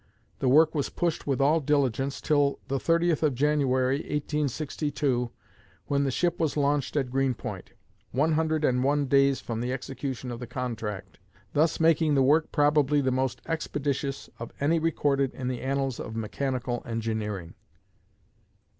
The work was pushed with all diligence till the 30th of January, 1862, when the ship was launched at Greenpoint, one hundred and one days from the execution of the contract, thus making the work probably the most expeditious of any recorded in the annals of mechanical engineering."